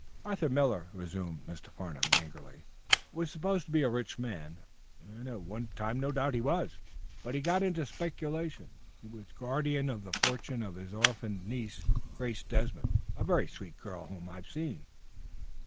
"Arthur Miller," resumed Mr. Farnum, angrily, "was supposed to be a rich man, and at one time no doubt he was. But he got into speculation. He was guardian of the fortune of his orphaned niece, Grace Desmond, a very sweet girl whom I've seen.